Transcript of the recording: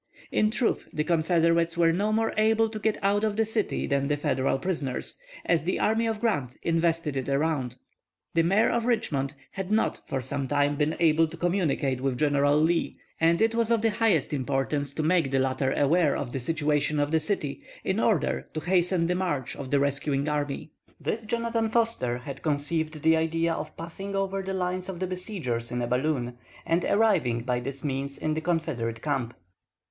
In truth, the Confederates were no more able to get out of the city than the Federal prisoners, as the army of Grant invested it around. The Mayor of Richmond had not for some time been able to communicate with General Lee, and it was of the highest importance to make the latter aware of the situation of the city, in order to hasten the march of the rescuing army. This Jonathan Forster had conceived the idea of passing over the lines of the besiegers in a balloon, and arriving by this means in the Confederate camp.